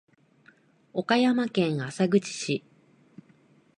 岡山県浅口市